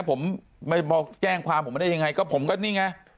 ผมไม่มาแจ้งความผมไม่ได้ยังไงก็ผมก็นี่ไง